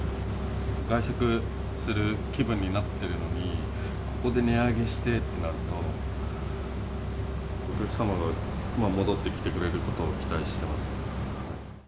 外食する気分になってるのに、ここで値上げしてってなると、お客様が戻ってきてくれることを期待しています。